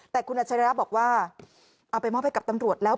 แต่คุณอัชริยะบอกว่าเอาไปมอบให้กับตำรวจแล้ว